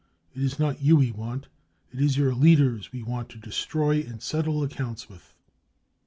It is not you we want, it is your leaders we want to destroy and settle accounts with.